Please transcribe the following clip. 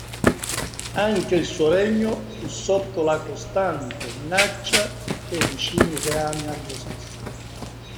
Anche il suo regno fu sotto la costante minaccia dei vicini reami anglosassoni.